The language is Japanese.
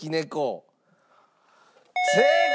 正解！